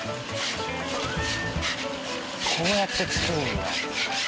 こうやって作るんだ。